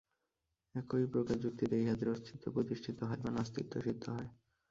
একইপ্রকার যুক্তিতে ইহাদের অস্তিত্ব প্রতিষ্ঠিত হয় বা নাস্তিত্ব সিদ্ধ হয়।